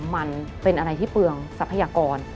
มันเป็นอะไรที่เปลืองทรัพยากร